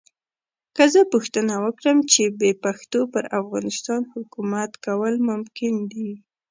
که زه پوښتنه وکړم چې بې پښتنو پر افغانستان حکومت کول ممکن دي.